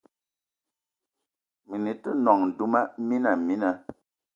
Mini te nòṅ duma mina mina